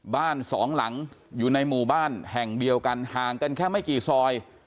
บ้านสองหลังอยู่ในหมู่บ้านแห่งเดียวกันห่างกันแค่ไม่กี่ซอย